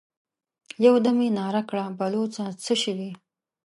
يودم يې ناره کړه: بلوڅه! څه شوې؟